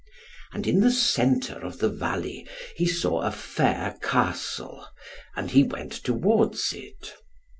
And in the centre of the valley he saw a fair castle, and he went towards it.